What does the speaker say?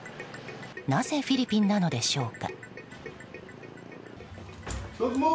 なぜフィリピンなのでしょうか。